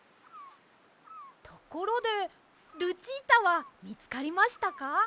ところでルチータはみつかりましたか？